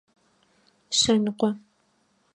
Шъэныкъо.